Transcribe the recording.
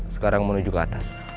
sekarang menuju ke atas